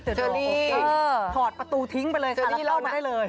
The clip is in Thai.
เธอนี่ถอดประตูทิ้งไปเลยค่ะแล้วเข้ามาได้เลย